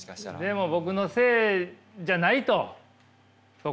でも僕のせいじゃないとそこは。